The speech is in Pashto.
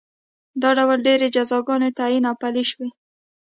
دا ډول ډېرې جزاګانې تعین او پلې شوې.